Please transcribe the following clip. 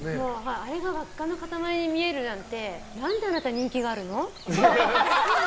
あれが輪っかの塊に見えるなんて何であなた人気があるの？